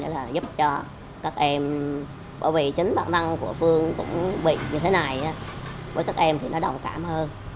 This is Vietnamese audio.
là giúp cho các em bởi vì chính bản thân của phương cũng bị như thế này với các em thì nó đồng cảm hơn